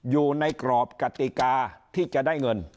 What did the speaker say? อยู่ในกรอบกติกาที่จะได้เงิน